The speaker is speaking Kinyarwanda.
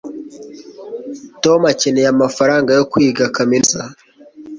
tom akeneye amafaranga yo kwiga kaminuza